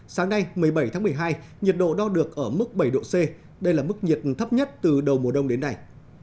sáng nay một mươi bảy tháng một mươi hai nhiệt độ đo được ở mức bảy độ c đây là mức nhiệt thấp nhất từ đầu mùa đông đến nay